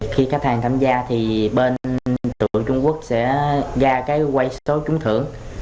khi khách hàng tham gia thì bên người trung quốc sẽ ra cái quay số trúng thưởng